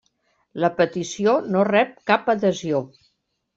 La petició no rep cap adhesió.